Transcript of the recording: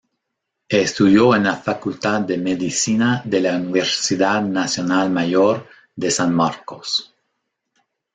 Estudió en la Facultad de Medicina de la Universidad Nacional Mayor de San Marcos.